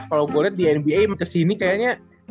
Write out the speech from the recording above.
kalo gue liat di nba kesini kayaknya